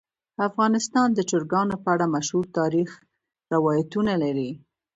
افغانستان د چرګانو په اړه مشهور تاریخی روایتونه لري.